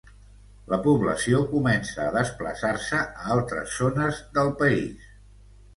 La població comença a desplaçar-se a altres zones del país.